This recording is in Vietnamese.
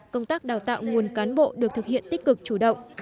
công tác đào tạo nguồn cán bộ được thực hiện tích cực chủ động